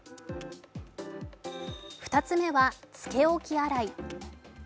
２つ目は、つけ置き洗い。